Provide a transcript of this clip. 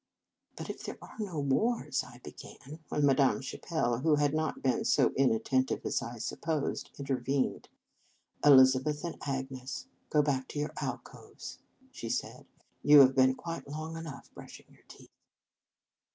" But if there are no wars," I began, when Madame Chapelle, who had not been so inattentive as I supposed, in tervened. " Elizabeth and Agnes, go back to your alcoves," she said. " You have been quite long enough brushing your teeth."